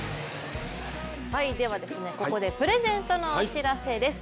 ここでプレゼントのお知らせです。